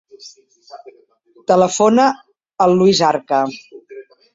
Telefona al Luis Arca.